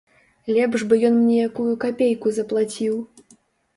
Лепш бы ён мне якую капейку заплаціў.